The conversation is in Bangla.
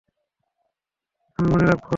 আমি মনে রাখবো!